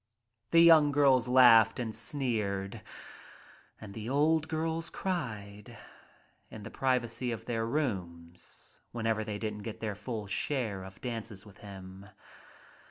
The young girls laughed and sneered and the old girls cried in the privacy of their rooms whenever they didn't get their full share of dances with him.